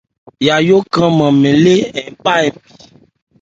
Yayó kranman mɛn lê an má npi.